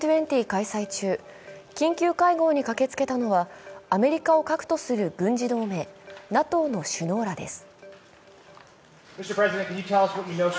Ｇ２０開催中、緊急会合に駆けつけたのはアメリカを核とする軍事同盟ＮＡＴＯの首脳らです。